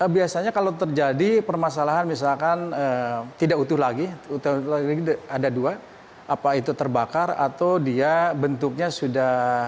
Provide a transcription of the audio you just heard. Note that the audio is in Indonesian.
biasanya kalau terjadi permasalahan misalkan tidak utuh lagi ada dua apa itu terbakar atau dia bentuknya sudah